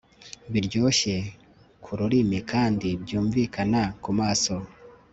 Biryoshye kururimi kandi byumvikana kumaso